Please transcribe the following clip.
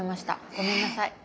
ごめんなさい。